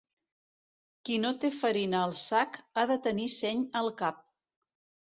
Qui no té farina al sac, ha de tenir seny al cap.